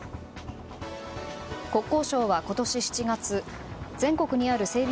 国交省は今年７月全国にある整備